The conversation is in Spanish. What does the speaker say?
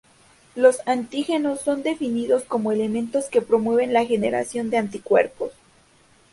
Los antígenos son definidos como elementos que promueven la generación de anticuerpos.